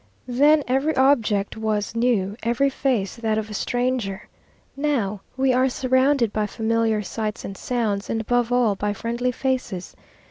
Then every object was new, every face that of a stranger. Now we are surrounded by familiar sights and sounds, and above all by friendly faces.